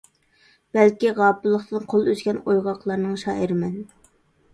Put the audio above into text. بەلكى غاپىللىقتىن قول ئۈزگەن ئويغاقلارنىڭ شائىرىمەن.